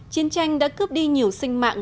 chiến tranh đã cướp đi nhiều sinh mạng